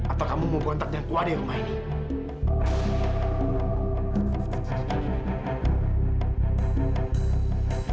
atau kamu mau gontak dengan kuade rumah ini